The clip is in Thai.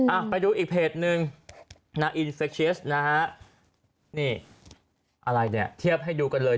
อ่ะไปดูอีกเพจนึงนะนะฮะนี่อะไรเนี่ยเทียบให้ดูกันเลย